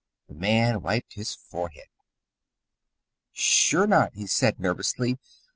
The man wiped his forehead. "Sure not," he said nervously.